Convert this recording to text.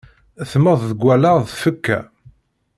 Temmed deg wallaɣ d tfekka.